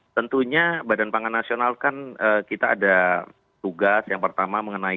tentunya badan pangan nasional kan kita ada tugas yang pertama mengenai